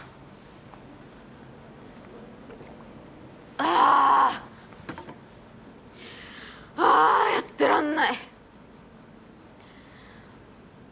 あ！はあやってらんない！